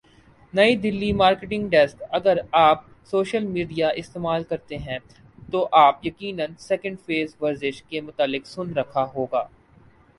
نئی Delhi monitoring desk اگر آپ سوشل میڈیا استعمال کرتے ہیں تو آپ یقینا سیکنڈ فیس ورزش کے متعلق سن رکھا ہو گا